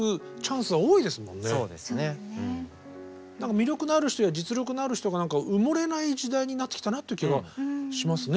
魅力のある人や実力のある人が埋もれない時代になってきたなっていう気がしますね。